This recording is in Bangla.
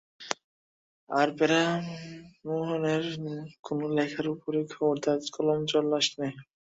আর প্যারীমোহনের কোনো লেখার উপরে খবরদার কলম চালাসনে।